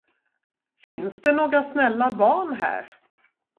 Finns det några snälla barn här?